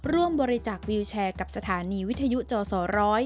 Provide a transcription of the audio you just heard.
ร่วมบริจักษ์วิวแชร์กับสถานีวิทยุจศร